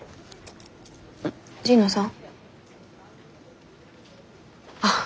神野さん